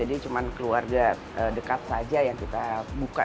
jadi cuma keluarga dekat saja yang kita buka